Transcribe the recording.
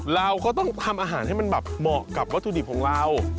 เราก็ต้องทำอาหารให้มันแบบเหมาะกับวัตถุดิบของเรา